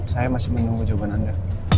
saya masih menunggu jawaban anda